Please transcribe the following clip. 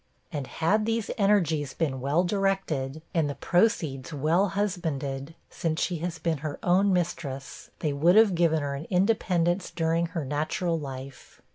And had these energies been well directed, and the proceeds well husbanded, since she has been her own mistress, they would have given her an independence during her natural life.